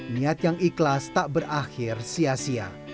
niat yang ikhlas tak berakhir sia sia